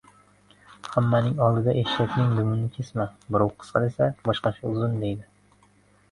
• Hammaning oldida eshakning dumini kesma: birov “qisqa” desa, boshqasi “uzun” deydi.